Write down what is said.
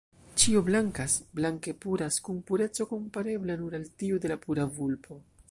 Ĉio blankas, blanke puras, kun pureco komparebla nur al tiu de la pura vulpo.